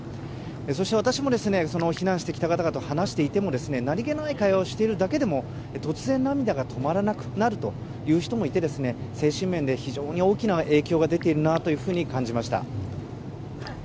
そして、私も避難してきた方々と話していても何気ない会話をしているだけでも突然、涙が止まらなくなるという人もいて精神面で非常に大きな影響が出ているなと感じました。